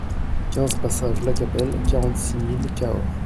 quinze passage Lacapelle, quarante-six mille Cahors